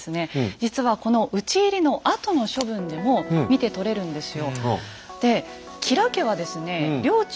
実はこの討ち入りのあとの処分でも見て取れるんですよ。